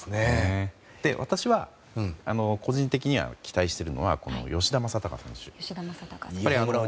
私は個人的に期待しているのは吉田正尚選手。